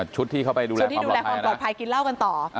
ชุดที่เขาไปดูแลความปลอดภัยกินเหล้ากันต่อ